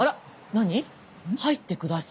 何？